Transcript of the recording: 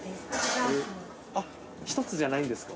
１つじゃないんですか。